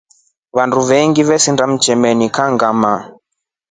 Vandu vengi veshinda mtemeni kangʼama.